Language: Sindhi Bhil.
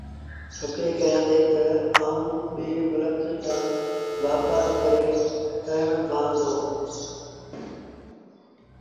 ڇوڪري ڪهيآݩدي تا آئوݩ ٻي ملڪ ڏآݩهݩ وآپآر ڪرڻ وهآݩ دو